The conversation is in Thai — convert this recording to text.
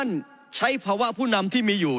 ใช้ภาวะผู้นำที่มีอยู่